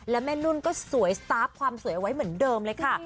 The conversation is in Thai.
และแม่นุ่นก็สวยสตาร์ฟความสวยเอาไว้เหมือนเดิมเลยค่ะ